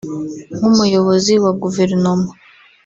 nk’umuyobozi wa Guverinoma